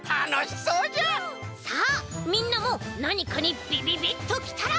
さあみんなもなにかにびびびっときたら。